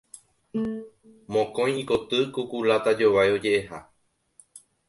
Mokõi ikoty, ku kuláta jovái oje'eha.